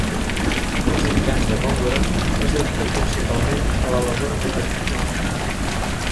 Els habitants de Góngora es dediquen principalment a la labor agrícola.